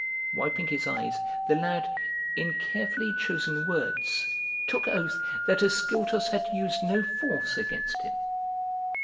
Wiping his eyes the lad, in carefully chosen words took oath that Ascyltos had used no force against him.